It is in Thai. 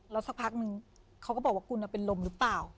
แล้วสักพักนึงเขาก็บอกว่าคุณเป็นลมหรือเปล่า